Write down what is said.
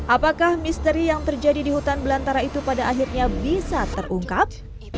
apakah misteri yang terjadi di hutan belantara itu pada akhirnya bisa terungkap